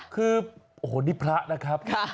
คือโอ้โหนี่พระนะครับ